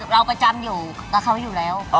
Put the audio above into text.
เราประจำอยู่กับเขาอยู่แล้ว